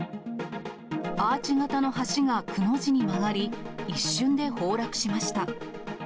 アーチ型の橋がくの字に曲がり、一瞬で崩落しました。